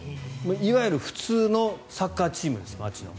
いわゆる普通のサッカーチームです街の。